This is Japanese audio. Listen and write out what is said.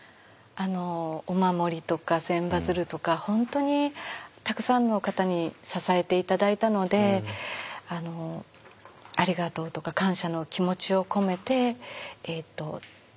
お守りとか千羽鶴とか本当にたくさんの方に支えて頂いたのでありがとうとか感謝の気持ちを込めて作ったんですけども。